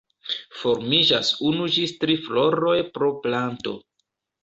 Formiĝas unu ĝis tri floroj pro planto.